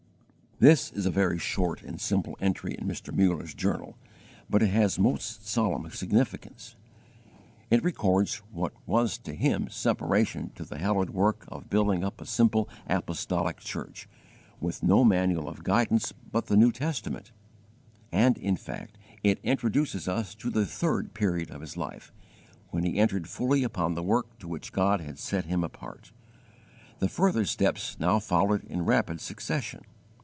"_ This is a very short and simple entry in Mr. Mailer's journal, but it has most solemn significance. It records what was to him separation to the hallowed work of building up a simple apostolic church, with no manual of guidance but the New Testament; and in fact it introduces us to the THIRD PERIOD of his life, when he entered fully upon the work to which God had set him apart. The further steps now followed in rapid succession.